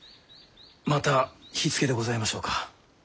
また火付けでございましょうか？